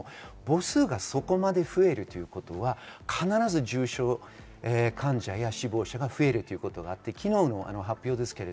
母数がそこまで増えるということは必ず重症患者や死亡者が増えるということがあります。